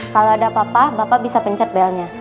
kalau ada apa apa bapak bisa pencet belnya